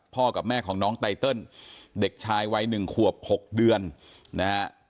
พ่อกับแม่ของน้องไตเติ้ลเด็กชายวัยหนึ่งควบหกเดือนนะฮะ